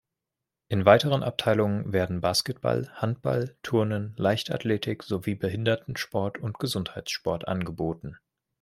In weiteren Abteilungen werden Basketball, Handball, Turnen, Leichtathletik sowie Behindertensport und Gesundheitssport angeboten.